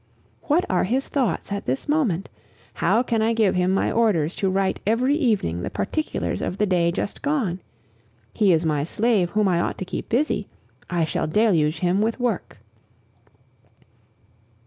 What are his thoughts at this moment? How can I give him my orders to write every evening the particulars of the day just gone? He is my slave whom I ought to keep busy. I shall deluge him with work!